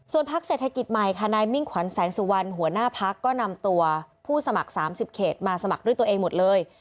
พักเศรษฐกิจใหม่ค่ะนายมิ่งขวัญแสงสุวรรณหัวหน้าพักก็นำตัวผู้สมัคร๓๐เขตมาสมัครด้วยตัวเองหมดเลย